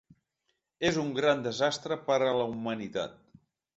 És un gran desastre per a la humanitat.